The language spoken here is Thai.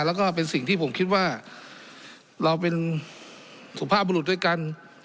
แล้วก็เป็นสิ่งที่ผมคิดว่าเราเป็นสุภาพบุรุษด้วยกัน